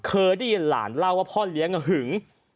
เคยได้ยินหลานเล่าว่าพ่อเลี้ยงหึง